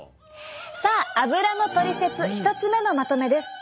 さあアブラのトリセツ１つ目のまとめです。